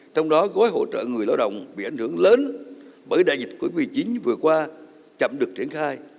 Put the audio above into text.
trong đó gói hỗ trợ người lao động bị ảnh hưởng lớn bởi đại dịch của quy chính vừa qua chậm được triển khai